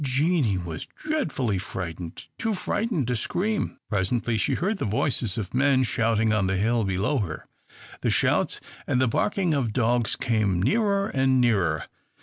Jeanie was dreadfully frightened, too frightened to scream. Presently she heard the voices of men shouting on the hill below her. The shouts and the barking of dogs came nearer and nearer.